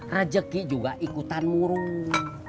rajeki juga ikutan murung